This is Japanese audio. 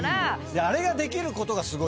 あれができることがすごい。